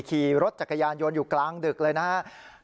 ขี่รถจักรยานยนต์อยู่กลางดึกเลยนะครับ